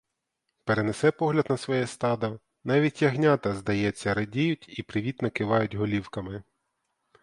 Перенесе погляд на своє стадо — навіть ягнята, здається, радіють і привітно кивають голівками.